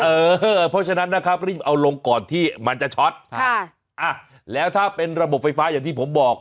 เพราะฉะนั้นนะครับรีบเอาลงก่อนที่มันจะช็อตแล้วถ้าเป็นระบบไฟฟ้าอย่างที่ผมบอก